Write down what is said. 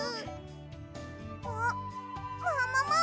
あっももも！